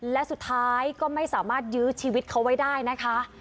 และสุดท้ายก็ไม่สามารถยื้อชีวิตเขาไว้ได้นะคะ